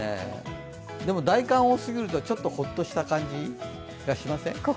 でも大寒を過ぎるとちょっとホッとした感じがしません？